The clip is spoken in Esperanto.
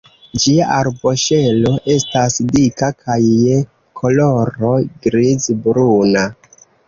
Ĝia arboŝelo estas dika kaj je koloro griz-bruna.